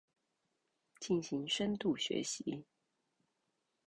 進行深度學習